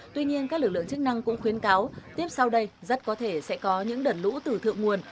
tuy nhiên các lực lượng chức năng cũng khuyến cáo tiếp sau đây rất có thể sẽ có những đợt lũ tử thượng nguồn